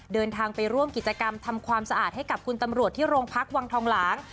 เดินทางไปร่วมกิจกรรมทำความสะอาดให้กับคุณตำรวจที่โรงพักวังทองหลาง